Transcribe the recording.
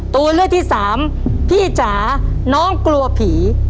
ตัวเลือกที่สามพี่จ๋าน้องกลัวผี